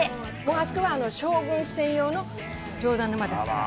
あそこは将軍専用の上段之間ですから。